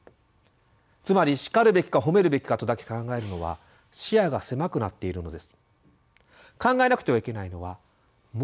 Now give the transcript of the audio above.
つまり「叱るべきか褒めるべきか」とだけ考えるのは視野が狭くなっているのです。